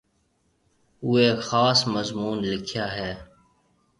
اُوئي خاص مضمُون لِکيا هيَ۔